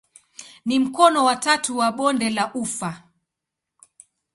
Ni mkono wa tatu wa bonde la ufa.